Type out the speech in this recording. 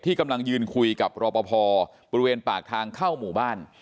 กำลังยืนคุยกับรอปภบริเวณปากทางเข้าหมู่บ้าน